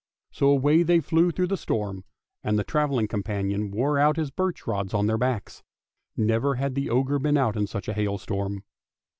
So away they flew through the storm, and the travelling companion wore out his birch rods on their backs; never had the ogre been out in such a hailstorm.